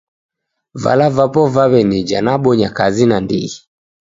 Vala vapo vaw'enija nabonya kazi nandighi.